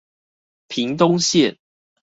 屏東縣